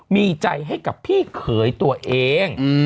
มีใจให้กับพี่เขยตัวเอง